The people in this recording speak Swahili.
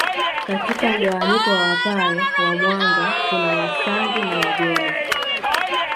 Katika mgawanyiko wa wapare wa mwanga kuna Wasangi na Wagweno